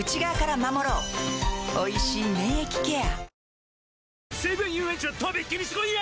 おいしい免疫ケア